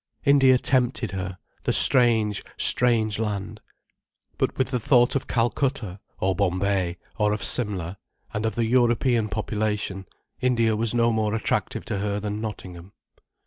India tempted her—the strange, strange land. But with the thought of Calcutta, or Bombay, or of Simla, and of the European population, India was no more attractive to her than Nottingham.